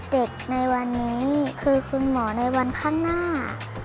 ในวันนี้คือคุณหมอในวันข้างหน้า